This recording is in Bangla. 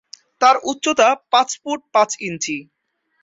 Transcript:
তার উচ্চতা পাঁচ ফুট পাঁচ ইঞ্চি।